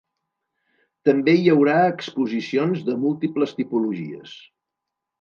També hi haurà exposicions de múltiples tipologies.